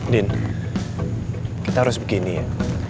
din kita harus begini ya